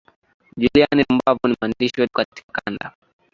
julian rumbavu ni mwandishi wetu katika kanda